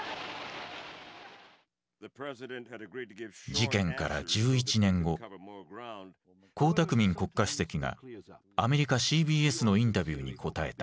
事件から１１年後江沢民国家主席がアメリカＣＢＳのインタビューに答えた。